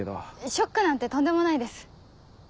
ショックなんてとんでもないです。